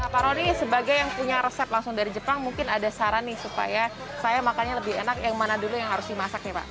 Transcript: pak roni sebagai yang punya resep langsung dari jepang mungkin ada saran nih supaya saya makannya lebih enak yang mana dulu yang harus dimasak nih pak